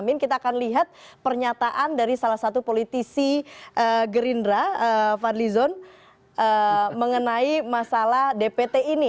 jadi kita akan lihat pernyataan dari salah satu politisi gerindra fadlizon mengenai masalah dpt ini